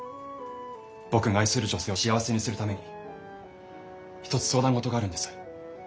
僕が愛する女性を幸せにするために一つ相談事があるんです。